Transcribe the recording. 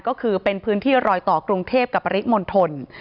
ก็คือเป็นพื้นที่รอยต่อกรุงเทพกับปริมณฑล